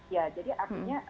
ya jadi artinya